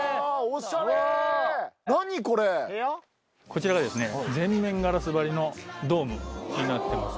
こちらが全面ガラス張りのドームになってますね。